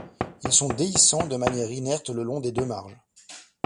Ils sont déhiscents de manière inerte le long des deux marges.